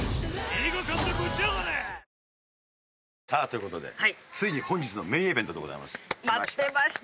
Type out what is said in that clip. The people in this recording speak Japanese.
ということでついに本日のメインイベントでございます。